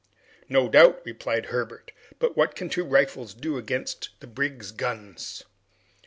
"No doubt," replied Herbert; "but what can two rifles do against the brig's guns?"